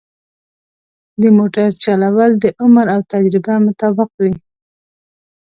د موټر چلول د عمر او تجربه مطابق وي.